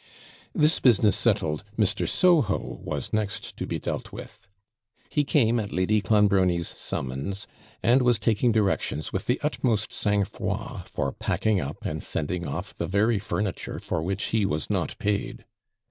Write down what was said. This business settled, Mr. Soho was next to be dealt with. He came at Lady Clonbrony's summons; and was taking directions, with the utmost SANG FROID, for packing up and sending off the very furniture for which he was not paid.